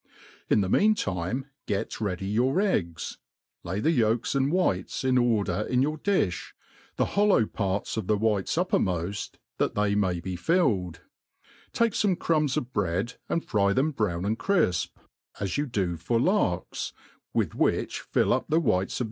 In the mean time get ready your eggs, lay the yolks and whites in order in your di&, the hollow parts of the whites uppernioft, that they may be 'filled J take fome ' crumbs of bread, and fry them brjown and crifp; as you do for larks, with which fill up the whites oi.